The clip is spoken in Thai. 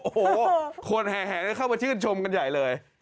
โอ้โหคนแห่เข้ามาชื่นชมกันใหญ่เลย